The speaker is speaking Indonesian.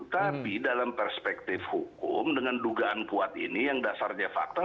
tapi dalam perspektif hukum dengan dugaan kuat ini yang dasarnya fakta